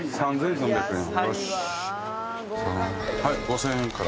５，０００円から。